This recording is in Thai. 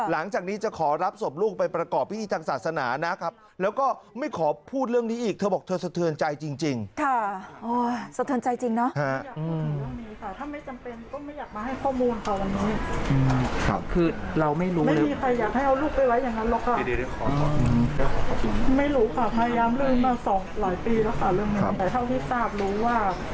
๕พันไปทำพิธีค่ะเราก็คิดว่าเขาน่าจะไปทำเรียบร้อยแล้ว